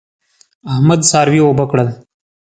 احمد څاروي اوبه کړل.